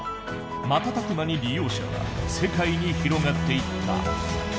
瞬く間に利用者は世界に広がっていった。